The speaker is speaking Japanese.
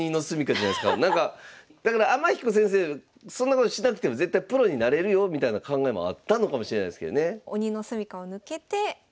だから天彦先生そんなことしなくても絶対プロになれるよみたいな考えもあったのかもしれないですけどね。